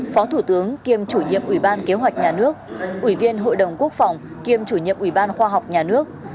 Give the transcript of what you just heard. phó thủ tướng kiêm chủ nhiệm ủy ban kế hoạch nhà nước ủy viên hội đồng quốc phòng kiêm chủ nhiệm ủy ban khoa học nhà nước